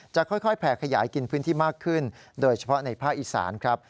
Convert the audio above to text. จะค่อยแผ่ขยายกินพื้นที่มากขึ้นโดยเฉพาะในภาคอีสานครับ